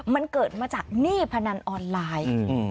มันเกิดมาจากหนี้พนันออนไลน์